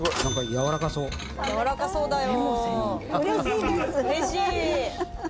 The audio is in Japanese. やわらかそうだよ。